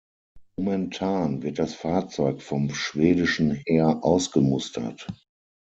Momentan wird das Fahrzeug vom schwedischen Heer ausgemustert.